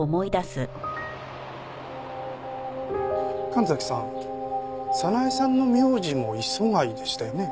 神崎さん早苗さんの名字も「磯貝」でしたよね？